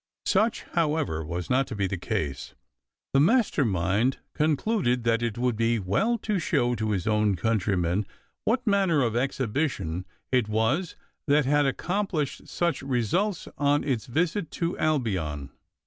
Such, however, was not to be the case. The master mind concluded that it would be well to show to his own countrymen what manner of exhibition it was that had accomplished such wonderful results on its visit to Albion.